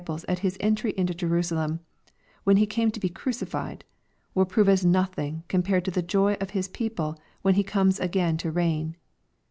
es at His entry into Jerusalera/when He came to be crucified, will prove as nothing compared to the joy of His people when He comes again to reign.